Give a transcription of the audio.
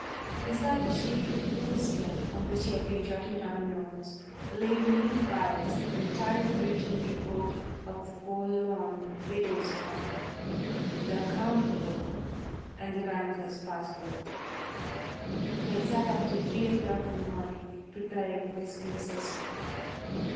Beside a sheet of foolscap on which he had been jotting down notes lay in neat piles the typewritten Report of the Forlorn Widows' Fund, the account book and the banker's pass book. He had sat up till three o'clock in the morning preparing for his Princess.